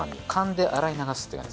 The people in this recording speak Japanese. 燗で洗い流すって感じ。